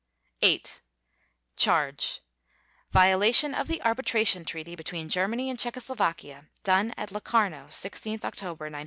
VIII CHARGE: _Violation of the Arbitration Treaty between Germany and Czechoslovakia, done at Locarno, 16 October 1925.